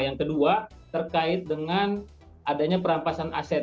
yang kedua terkait dengan adanya perampasan aset